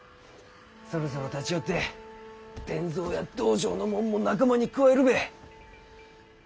そろそろ立ち寄って伝蔵や道場のもんも仲間に加えるべぇ。